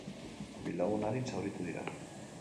Bi lagun arin zauritu dira.